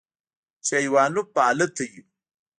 چې ايوانوف به الته وي.